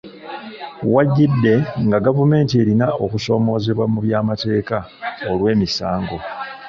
W'ajjidde nga gavumenti erina okusoomoozebwa mu by’amateeka olw’emisango.